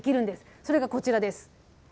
それがこちらです。